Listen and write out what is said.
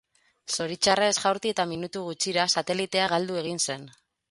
Zoritxarrez, jaurti eta minutu gutxira, satelitea galdu egin zen.